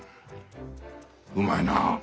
うまいなあ。